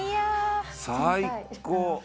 最高！」